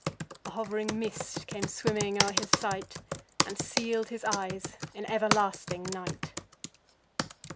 A hov'ring mist came swimming o'er his sight, And seal'd his eyes in everlasting night.